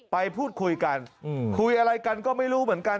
ไปพูดคุยกันคุยอะไรกันก็ไม่รู้เหมือนกัน